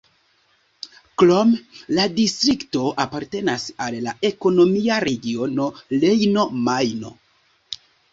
Krome la distrikto apartenas al la ekonomia regiono Rejno-Majno.